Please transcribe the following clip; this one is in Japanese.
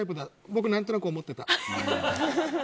僕何となく思ってた。